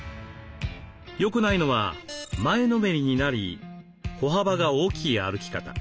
よくないのは前のめりになり歩幅が大きい歩き方。